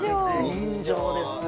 人情ですね。